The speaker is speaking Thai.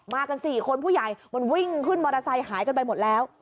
กัน๔คนผู้ใหญ่มันวิ่งขึ้นมอเตอร์ไซค์หายกันไปหมดแล้ว